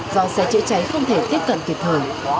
do xe chữa cháy không thể tiếp cận kịp thời